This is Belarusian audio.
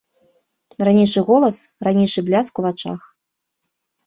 Ранейшы голас, ранейшы бляск у вачах.